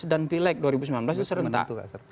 dan pilek dua ribu sembilan belas itu serentak